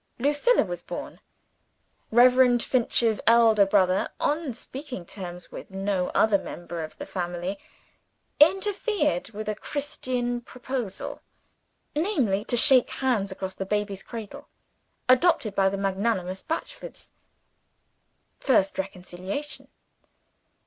Lucilla was born. Reverend Finch's elder brother (on speaking terms with no other member of the family) interfered with a Christian proposal namely to shake hands across the baby's cradle. Adopted by the magnanimous Batchfords. First reconciliation.